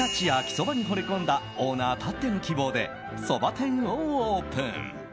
秋そばにほれ込んだオーナーたっての希望でそば店をオープン。